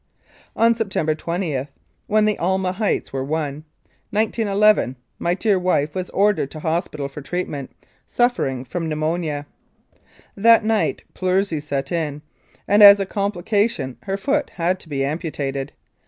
On September 20 ("When the Alma's heights were won"), 1911, my dear wife was ordered to hospital for treatment, suffering from pneumonia. That night pleurisy set in, and as a complication her foot had to be amputated.